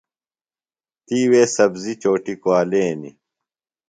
تی وے سبزی چوٹیۡ کُوالینیۡ۔